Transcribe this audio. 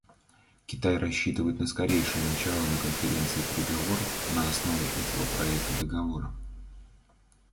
Китай рассчитывает на скорейшее начало на Конференции переговоров на основе этого проекта договора.